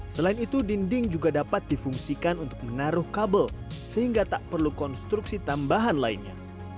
selain itu dinding juga dapat difungsikan untuk menaruh kabel sehingga tak perlu konstruksi tambahan lainnya